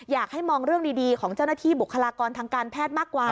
อยากให้มองเรื่องดีของเจ้าหน้าที่บุคลากรทางการแพทย์มากกว่า